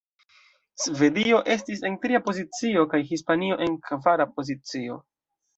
Svedio estis en tria pozicio, kaj Hispanio en kvara pozicio.